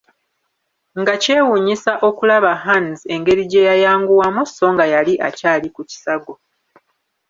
Nga kyewuunyisa okulaba Hands engeri gye yayanguwamu, so nga yali akyali ku kisago.